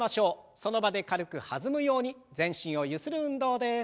その場で軽く弾むように全身をゆする運動です。